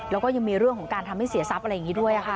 แล้วก็ยังมีเรื่องของการทำให้เสียทรัพย์อะไรอย่างนี้ด้วยค่ะ